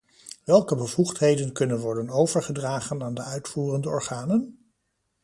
Welke bevoegdheden kunnen worden overgedragen aan de uitvoerende organen?